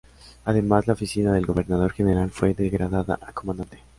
Además, la oficina del gobernador-general fue degradada a comandante.